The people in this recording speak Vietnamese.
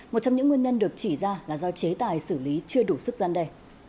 một trong những nguyên nhân được chỉ ra là do chế tài xử lý chưa đủ sức gian đề